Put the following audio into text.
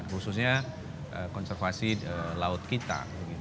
khususnya konservasi laut kita